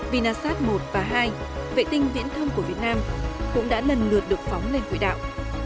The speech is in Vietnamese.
vinasat một và hai vệ tinh viễn thông của việt nam cũng đã lần lượt được phóng lên quỹ đạo